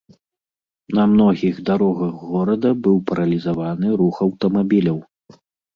На многіх дарогах горада быў паралізаваны рух аўтамабіляў.